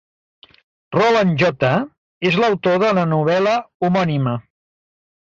Roland J. és l'autor de la novel·la homònima.